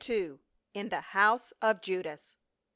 IN THE HOUSE OF JUDAS.